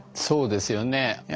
そうですよね。